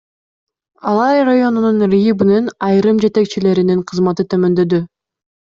Алай районунун РИИБнин айрым жетекчилеринин кызматы төмөндөдү.